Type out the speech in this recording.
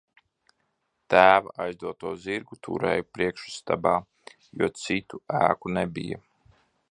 Tēva aizdoto zirgu turēju priekšistabā, jo citu ēku nebija.